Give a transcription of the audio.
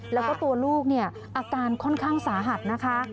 แล้วก็ตัวลูกเนี่ยอาการค่อนข้างสาหัสนะคะ